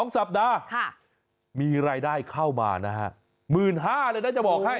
๒สัปดาห์มีรายได้เข้ามานะฮะ๑๕๐๐เลยนะจะบอกให้